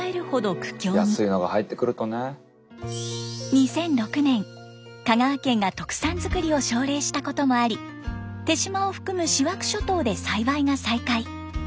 ２００６年香川県が特産作りを奨励したこともあり手島を含む塩飽諸島で栽培が再開。